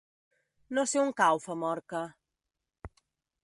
No sé on cau Famorca.